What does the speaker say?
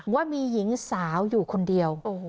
ว่ามีหญิงสาวอยู่คนเดียว